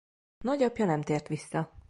Nagyapja nem tért vissza.